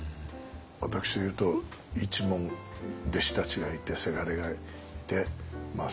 私でいうと一門弟子たちがいてせがれがいてスタッフもいて。